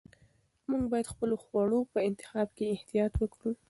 موږ باید د خپلو خوړو په انتخاب کې احتیاط وکړو.